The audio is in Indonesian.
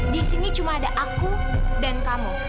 di sini cuma ada aku dan kamu